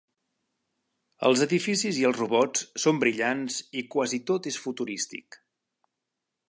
Els edificis i els robots son brillants i quasi tot és futurístic.